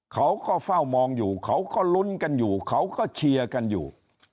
เขาก็เฝ้ามองอยู่เขาก็ลุ้นกันอยู่เขาก็เชียร์กันอยู่